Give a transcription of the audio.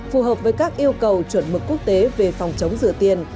phù hợp với các yêu cầu chuẩn mực quốc tế về phòng chống rửa tiền